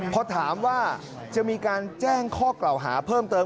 พอถามว่าจะมีการแจ้งข้อกล่าวหาเพิ่มเติม